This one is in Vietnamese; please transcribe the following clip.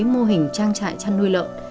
mô hình trang trại chăn nuôi lợn